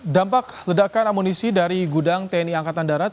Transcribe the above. dampak ledakan amunisi dari gudang tni angkatan darat